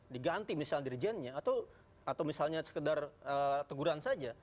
diganti misalnya dirijennya atau misalnya sekedar teguran saja